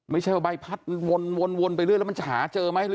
ไม่ใช่ว่าใบพัดวนไปเรื่อยแล้วมันจะหาเจอไหม